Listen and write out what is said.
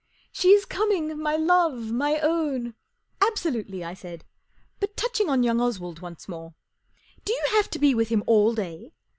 44 She is coming, my love, my own " 44 Absolutely," I said. 44 But touching on young Oswald once more. Do you have to be with him all day